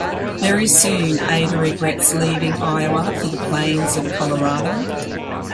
Very soon Ada regrets leaving Iowa for the plains of Colorado.